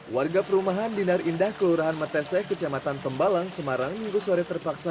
warga perumahan dinar indah kelurahan meteseh kecamatan tembalang semarang minggu sore terpaksa